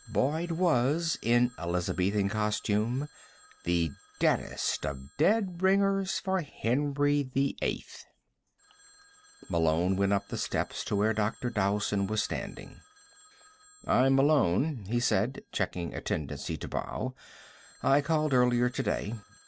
Boyd was, in Elizabethan costume, the deadest of dead ringers for Henry VIII. Malone went up the steps to where Dr. Dowson was standing. "I'm Malone," he said, checking a tendency to bow. "I called earlier today.